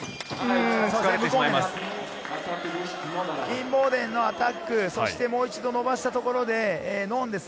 インボーデンのアタック、そしてもう一度伸ばしたところでノンです。